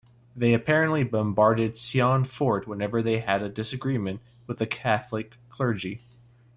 They apparently bombarded Sion Fort whenever they had a disagreement with the Catholic clergy!